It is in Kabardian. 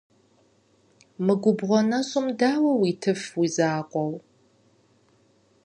Мы губгъуэ нэщӀым дауэ уитыф уи закъуэу?